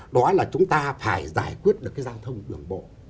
đó là chúng ta phải giải quyết được cái giao thông đường bộ